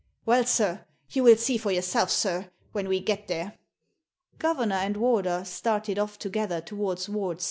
Well, sir, you will see for yourself, sir, when we get there!" Governor and warder started off together towards Ward C.